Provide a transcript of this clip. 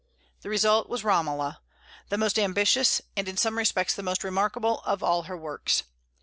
The result was "Romola," the most ambitious, and in some respects the most remarkable, of all her works.